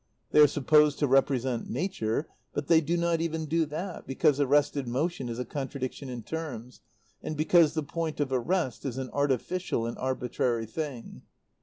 They are supposed to represent nature, but they do not even do that, because arrested motion is a contradiction in terms, and because the point of arrest is an artificial and arbitrary thing.